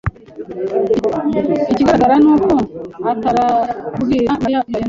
Ikigaragara ni uko atarabwira Mariya uko byagenze.